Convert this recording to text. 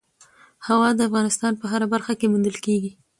هوا د افغانستان په هره برخه کې موندل کېږي.